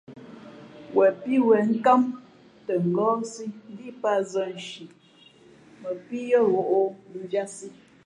Wen pí wen nkám tα ngάάsí, ndíʼ pat zα nshi mα pǐ yʉ̄ᾱ ghoʼ mvanī.